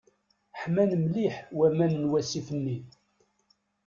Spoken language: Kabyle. Ḥman mliḥ waman n wasif-nni.